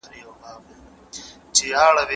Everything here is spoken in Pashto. د لويي جرګې ځای ولي معمولا په کابل کي وي؟